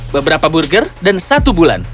beberapa burger dan satu bulan